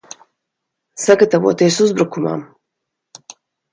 Sagatavoties uzbrukumam!